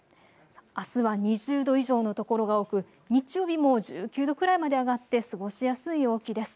あすは２０度以上の所が多く日曜日も１９度くらいまで上がって過ごしやすい陽気です。